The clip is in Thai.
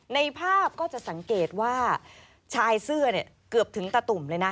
ในภาพก็จะสังเกตว่าชายเสื้อเนี่ยเกือบถึงตะตุ่มเลยนะ